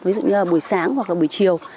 ví dụ như là buổi sáng hoặc là buổi chiều